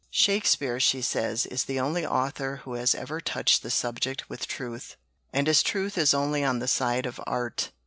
"Shakespeare," she says, "is the only author who has ever touched the subject with truth, and his truth is only on the side of art."